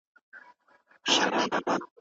تاریخ په ایډیالوژیک منظر کي په بې انصافۍ تحریف سو.